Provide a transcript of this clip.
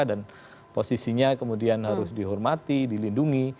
dan posisinya kemudian harus dihormati dilindungi